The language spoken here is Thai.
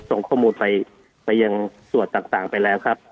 ส่งข้อมูลไปยังส่วนต่างไปแล้วครับ